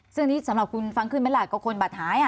ซึ่งนี่สำหรับคุณฟังขึ้นเพิ่งใหลก็คนบัตรหาย